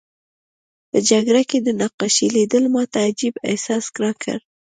په جګړه کې د نقاشۍ لیدل ماته عجیب احساس راکړ